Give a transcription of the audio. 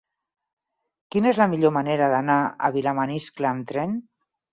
Quina és la millor manera d'anar a Vilamaniscle amb tren?